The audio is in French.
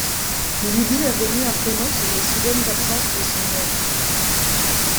Lydie avait mis un prénom sur les soudaines absences de son homme.